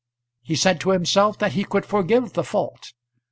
He said to himself that he could forgive the fault.